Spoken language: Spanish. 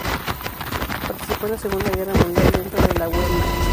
Participó en la Segunda Guerra Mundial dentro de la Wehrmacht.